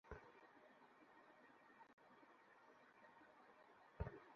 শপের ভেতরেই থাকুন।